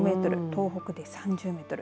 東北で３０メートル